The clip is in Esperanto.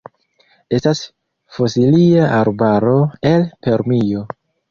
Estas fosilia arbaro el Permio.